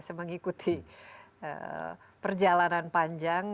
saya mengikuti perjalanan panjang